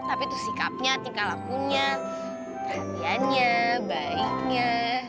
tapi itu sikapnya tingkah lakunya perhatiannya baiknya